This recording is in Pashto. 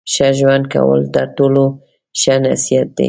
ښه ژوند کول تر ټولو ښه نصیحت دی.